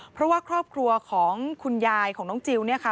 เพราะว่าครอบครัวของคุณยายของน้องจิลเนี่ยค่ะ